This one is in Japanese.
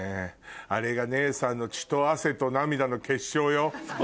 あれが姉さんの血と汗と涙の結晶よ。